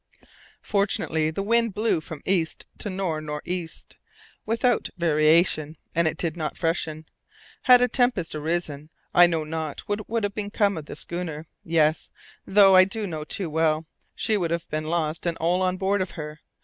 Fortunately, the wind blew from east to north nor' east without variation, and it did not freshen. Had a tempest arisen I know not what would have become of the schooner yes, though, I do know too well: she would have been lost and all on board of her.